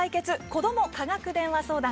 子ども科学電話相談」。